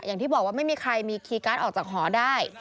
อย่างที่บอกว่าไม่มีใครมีคีย์การ์ดออกจากหอได้